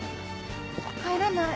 帰らない。